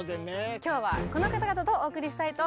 今日はこの方々とお送りしたいと思います。